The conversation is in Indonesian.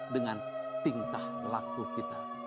dengan tingkah laku kita